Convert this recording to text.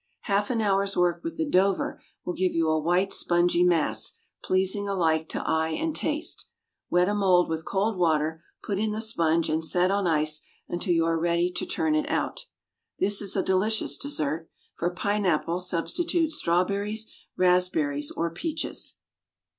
Half an hour's work with the "Dover" will give you a white spongy mass, pleasing alike to eye and taste. Wet a mould with cold water, put in the sponge and set on ice until you are ready to turn it out. This is a delicious dessert. For pineapple substitute strawberries, raspberries, or peaches.